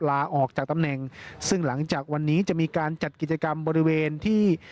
ลาออกจากตำแหน่งซึ่งหลังจากวันนี้จะมีการจัดกิจกรรมบริเวณที่